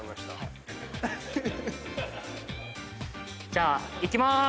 じゃあいきまーす。